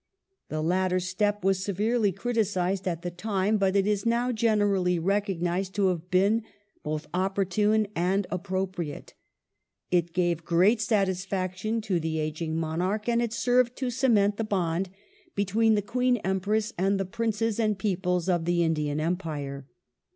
K.L. iii. 379. '^ Ibid., 389. 1858] THE QUEEN'S PROCLAMATION 295 latter step was severely criticized at the time, but it is now gener ally recognized to have been both opportune and appropriate. It gave gi'eat satisfaction to the ageing Monarch, and it served to cement the bond between the Queen Empress and the Princes and peoples of the Indian Empire.